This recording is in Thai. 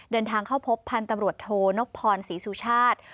เดินทางเข้าพบพันธุ์ตำรวจโทนกพรศรีสุชาติ